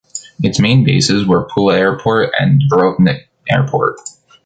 Its main bases were Pula Airport and Dubrovnik Airport.